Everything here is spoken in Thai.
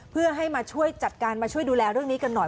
เพื่อให้มาช่วยจัดการมาช่วยดูแลเรื่องนี้กันหน่อย